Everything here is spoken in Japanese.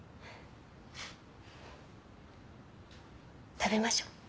食べましょ。